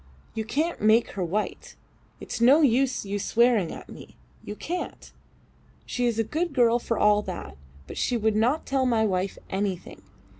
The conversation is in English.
You can't make her white. It's no use you swearing at me. You can't. She is a good girl for all that, but she would not tell my wife anything.